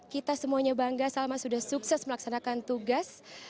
kita semuanya bangga salma sudah sukses melaksanakan tugas